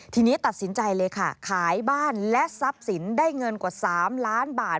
ทีนี้ตัดสินใจเลยค่ะขายบ้านและทรัพย์สินได้เงินกว่า๓ล้านบาท